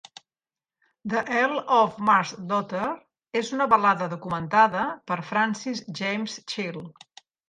"The Earl of Mar's Daughter" és una balada documentada per Francis James Child.